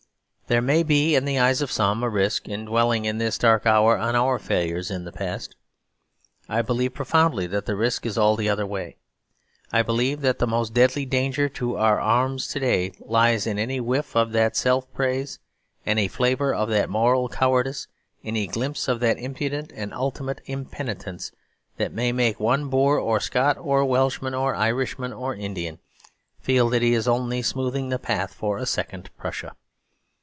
There may be, in the eyes of some, a risk in dwelling in this dark hour on our failures in the past: I believe profoundly that the risk is all the other way. I believe that the most deadly danger to our arms to day lies in any whiff of that self praise, any flavour of that moral cowardice, any glimpse of that impudent and ultimate impenitence, that may make one Boer or Scot or Welshman or Irishman or Indian feel that he is only smoothing the path for a second Prussia.